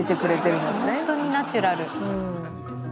「ホントにナチュラル」